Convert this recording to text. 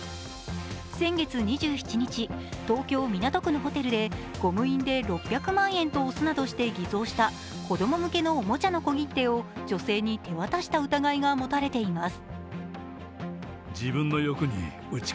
先月２７日、東京・港区のホテルでゴム印で６００万円と押すなどして偽造した子供向けのおもちゃの小切手を女性に手渡した疑いが持たれています。